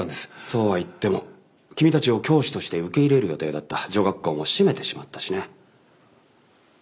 そうは言っても君たちを教師として受け入れる予定だった女学校も閉めてしまったしね。